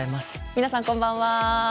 皆さんこんばんは。